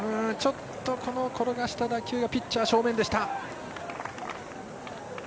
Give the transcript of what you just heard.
転がした打球はピッチャー正面でした。